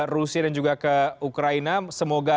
rusia dan juga ke ukraina semoga